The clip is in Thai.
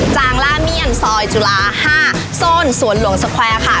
จางล่าเมียนซอยจุฬา๕โซนสวนหลวงสแควร์ค่ะ